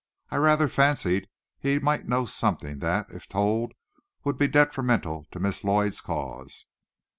I rather fancied he might know something that, if told, would be detrimental to Miss Lloyd's cause."